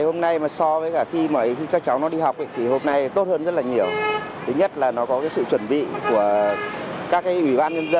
hôm nay mình đến trường đúng giờ